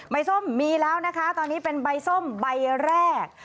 ส้มมีแล้วนะคะตอนนี้เป็นใบส้มใบแรก